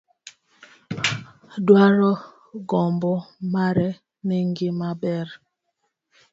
Dwaro gombo mare ne gima ber.